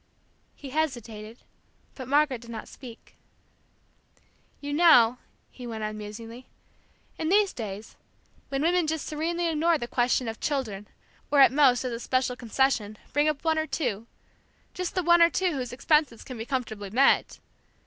He hesitated, but Margaret did not speak. "You know," he went on musingly, "in these days, when women just serenely ignore the question of children, or at most, as a special concession, bring up one or two, just the one or two whose expenses can be comfortably met!